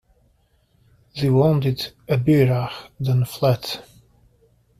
The wounded Ebirah then fled.